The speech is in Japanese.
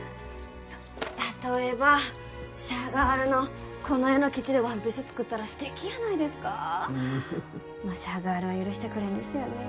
例えばシャガールのこの絵の生地でワンピース作ったら素敵やないですかシャガールは許してくれんですよね